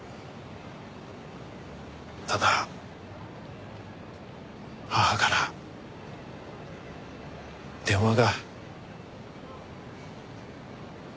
ただ母から電話が。